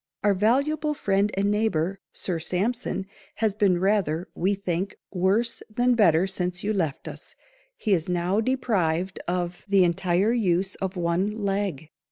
Our valuable friend and neighbour, Sir Sampson, has been rather (we think) worse than better since you left us. He is now deprived of the entire use of one leg.